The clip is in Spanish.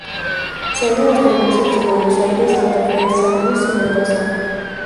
Se halla en las provincias de Buenos Aires, Santa Fe, San Luis y Mendoza.